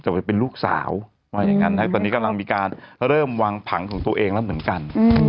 จะเบื่อเป็นลูกสาวไว้ตอนนี้กำลังมีการเริ่มวางผังของตัวเองแล้วเหมือนกัน